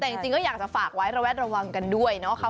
แต่จริงก็อยากจะฝากไว้ระแวดระวังกันด้วยนะคะ